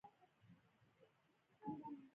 • د واورې ذرې له یخو اوبو جوړېږي.